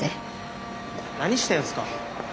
何してんすか？